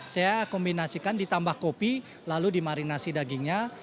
saya kombinasikan ditambah kopi lalu dimarinasi dagingnya